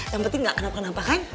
yang penting ga kenapa kenapa kan